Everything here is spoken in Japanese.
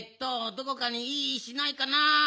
どこかにいい石ないかな。